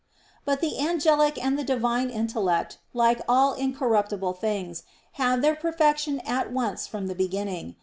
But the angelic and the Divine intellect, like all incorruptible things, have their perfection at once from the beginning.